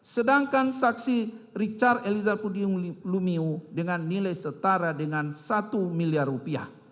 sedangkan saksi richard eliezer pudium lumiu dengan nilai setara dengan satu miliar rupiah